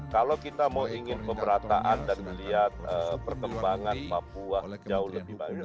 kalau kita mau ingin pemerataan dan melihat perkembangan papua jauh lebih baik